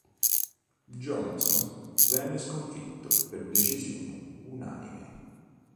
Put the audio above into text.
Johnson venne sconfitto per decisione unanime.